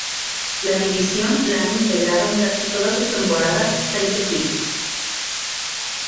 La división la han integrado en casi todas sus temporadas seis equipos.